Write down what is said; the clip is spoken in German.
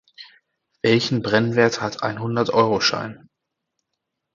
Welchen Brennwert hat ein Hundert-Euro-Schein?